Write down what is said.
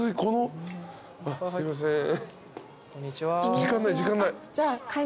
時間ない時間ない。